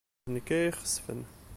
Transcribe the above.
D nekk ay ixesfen.